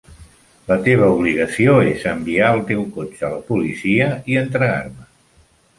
La teva obligació és enviar el teu cotxe a la policia i entregar-me.